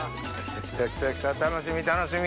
きたきた楽しみ楽しみ。